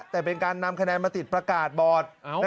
แต่เป็นการนำคะแนนมาติดประกาศบอร์ด